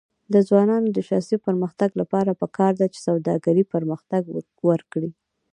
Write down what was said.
د ځوانانو د شخصي پرمختګ لپاره پکار ده چې سوداګري پرمختګ ورکړي.